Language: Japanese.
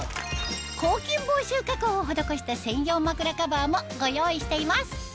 抗菌防臭加工を施した専用枕カバーもご用意しています